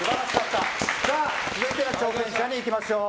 続いての挑戦者にいきましょう。